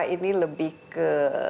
ini lebih ke